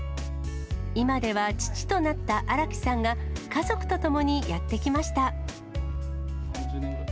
今では父となった荒木さんが、家族と共にやって来ました。